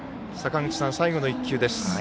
坂口さん、最後の１球です。